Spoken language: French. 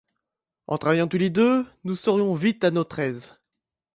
En travaillant tous les deux, nous serions vite à notre aise.